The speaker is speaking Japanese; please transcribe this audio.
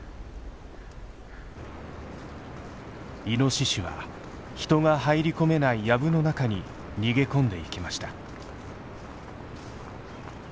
イノシシは人が入り込めない藪の中に逃げ込んでいきました。